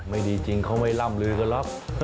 ไม่ดีจริงเขาไม่ล่ำลือกันหรอก